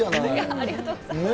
ありがとうございます。